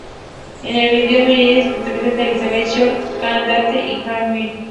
En el vídeo, Needles interpreta a Elizabeth Short, Sharon Tate y Jayne Mansfield.